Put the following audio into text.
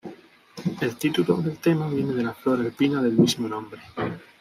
El título del tema viene de la flor alpina del mismo nombre.